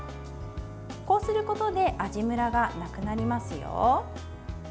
こうすることで味むらがなくなりますよ。